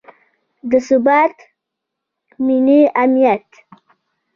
د ثبات، ملي امنیت